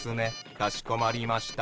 かしこまりました。